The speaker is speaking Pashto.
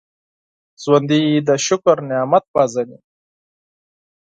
ژوندي د شکر نعمت پېژني